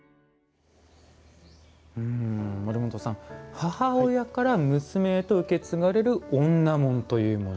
母親から娘へと受け継がれる女紋というもの。